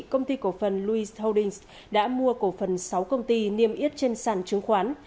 công ty cổ phần louis holdings đã mua cổ phần sáu công ty niêm yết trên sản chứng khoán